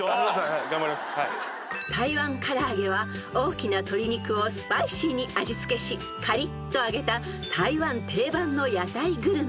［台湾唐揚げは大きな鶏肉をスパイシーに味付けしカリッと揚げた台湾定番の屋台グルメ］